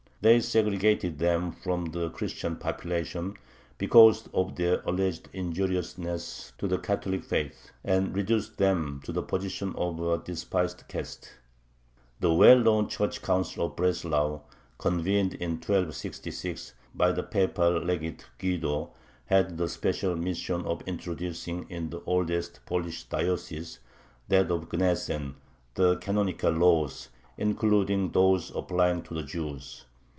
They segregated them from the Christian population because of their alleged injuriousness to the Catholic faith, and reduced them to the position of a despised caste. The well known Church Council of Breslau, convened in 1266 by the Papal Legate Guido, had the special mission of introducing in the oldest Polish diocese, that of Gnesen, the canonical laws, including those applying to the Jews.